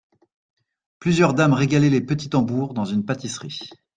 Plusieurs dames régalaient les petits tambours dans une pâtisserie.